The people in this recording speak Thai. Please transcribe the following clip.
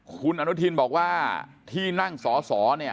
คุณอนุทินบอกว่าที่นั่งสอสอเนี่ย